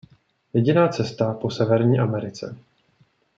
Jediná cesta po Severní Americe.